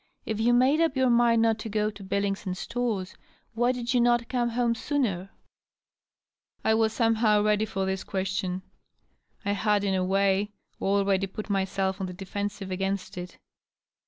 " If you made up your mind not to go to Billings and Storrs, why did you not come home sooner ?" I was somehow ready for this question. I had, in a way, already put myself on the defensive against it.